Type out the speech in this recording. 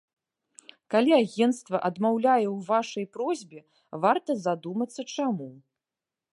Калі агенцтва адмаўляе ў вашай просьбе, варта задумацца, чаму.